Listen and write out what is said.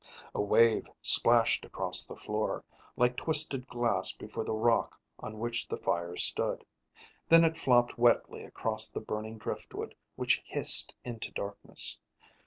A wave splashed across the floor, like twisted glass before the rock on which the fire stood. Then it flopped wetly across the burning driftwood which hissed into darkness.